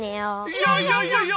いやいやいやいや。